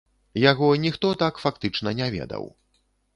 Яго ніхто так фактычна не ведаў.